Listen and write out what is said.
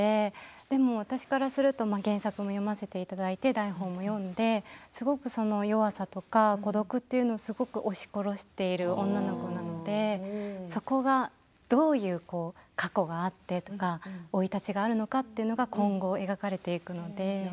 でも、私からすると原作も読ませていただかせて台本も読んで弱さとか孤独を押し殺している女の子なのでそこがどういう過去があってとか生い立ちがあるのかというのが今後描かれていくので。